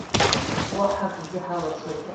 Уаҳа акгьы ҳалацәажәарым.